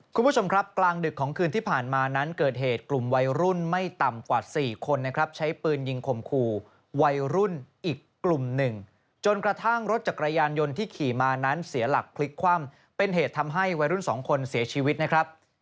คุณผู้ชมครับกลางดึกของคืนที่ผ่านมานั้นเกิดเหตุกลุ่มวัยรุ่นไม่ต่ำกว่า๔คนนะครับใช้ปืนยิงข่มขู่วัยรุ่นอีกกลุ่มหนึ่งจนกระทั่งรถจักรยานยนต์ที่ขี่มานั้นเสียหลักพลิกคว่ำเป็นเหตุทำให้วัยรุ่นสองคนเสียชีวิตนะครับ